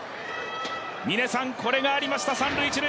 峰さん、これがありました三・一塁！